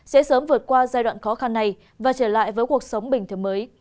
sẽ sớm vượt qua giai đoạn khó khăn này và trở lại với cuộc sống bình thường mới